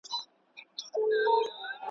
زه به لار د ښار له خلکو کړمه ورکه.